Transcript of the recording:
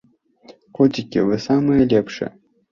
Коцікі, вы самыя лепшыя.